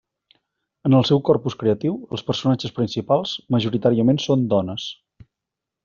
En el seu corpus creatiu, els personatges principals majoritàriament són dones.